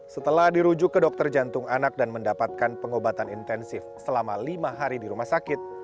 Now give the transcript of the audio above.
setelah dirujuk ke dokter jantung anak dan mendapatkan pengobatan intensif selama lima hari di rumah sakit